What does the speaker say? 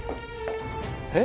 えっ！